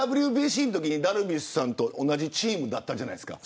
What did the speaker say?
ダルビッシュさんと同じチームだったじゃないですか。